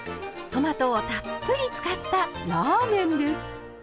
トマトをたっぷり使ったラーメンです。